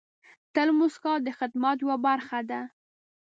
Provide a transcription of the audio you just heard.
تل موسکا د خدمت یوه برخه ده.